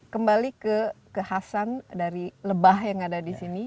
kembali ke kehasan dari lebah yang ada di sini